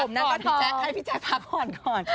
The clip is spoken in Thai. พี่แจ๊กให้พี่แจ๊กพักผ่อนก่อน